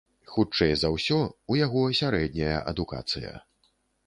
Хутчэй за ўсё, у яго сярэдняя адукацыя.